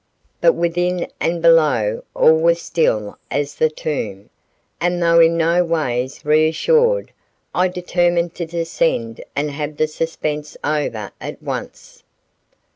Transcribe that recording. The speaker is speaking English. But within and below all was still as the tomb, and though in no ways reassured, I determined to descend and have the suspense over at once.